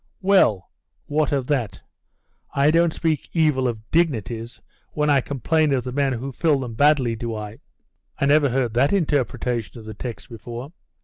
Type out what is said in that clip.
'Well, what of that? I don't speak evil of dignities, when I complain of the men who fill them badly, do I?' 'I never heard that interpretation of the text before.